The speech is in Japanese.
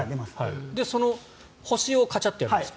その星をカチャッとやるんですか？